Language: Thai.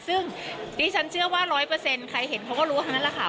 ซึ่งดิฉันเชื่อว่า๑๐๐ใครเห็นเขาก็รู้ทั้งนั้นแหละค่ะ